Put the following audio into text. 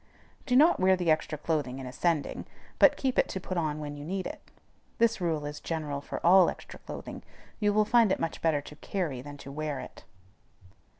Do not wear the extra clothing in ascending, but keep it to put on when you need it. This rule is general for all extra clothing: you will find it much better to carry than to wear it.